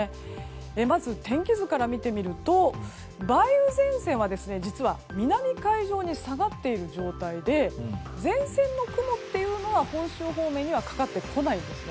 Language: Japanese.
まず、天気図から見てみると梅雨前線は実は南海上に下がっている状態で前線の雲というのは本州方面にはかかってこないんです。